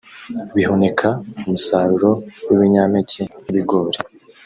bihunika umusaruro w’ibinyampeke nk’ibigori